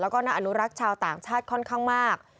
แล้วก็นักอนุรักษ์ชาวต่างชาติค่อนข้างมาก